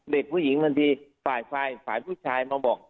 เด็กผู้หญิงบางทีฝ่ายฝ่ายผู้ชายมาบอก